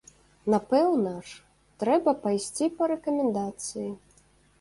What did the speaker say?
Напэўна ж, трэба пайсці па рэкамендацыі.